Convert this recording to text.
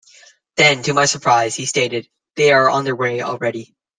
Then to my surprise he stated, 'They are on their way already.